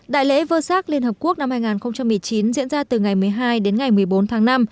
đại lễ vơ sát liên hợp quốc năm hai nghìn một mươi chín diễn ra từ ngày một mươi hai đến ngày một mươi bốn tháng năm